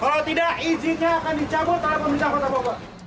kalau tidak izinnya akan dicabut oleh pemerintah kota bogor